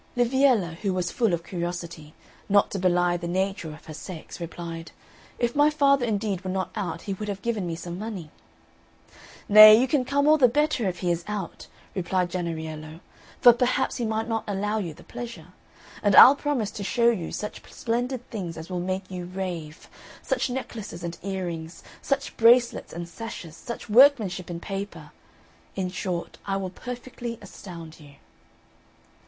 Liviella, who was full of curiosity, not to belie the nature of her sex, replied, "If my father indeed were not out he would have given me some money." "Nay, you can come all the better if he is out," replied Jennariello, "for perhaps he might not allow you the pleasure; and I'll promise to show you such splendid things as will make you rave such necklaces and earrings, such bracelets and sashes, such workmanship in paper in short I will perfectly astound you."